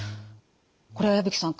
これは矢吹さん